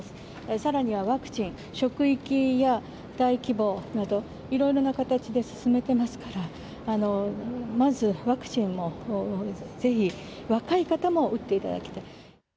さらにはワクチン、職域や大規模など、いろいろな形で進めてますから、まずワクチンを、ぜひ若い方も打っていただきたい。